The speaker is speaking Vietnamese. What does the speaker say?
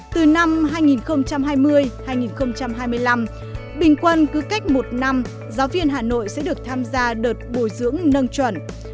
từ năm hai nghìn hai mươi hai nghìn hai mươi năm bình quân cứ cách một năm giáo viên hà nội sẽ được tham gia đợt bồi dưỡng nâng chuẩn